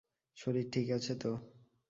শরীর ঠিক আছে তো?